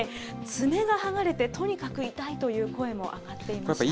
爪が剥がれて、とにかく痛いという声も上がっていました。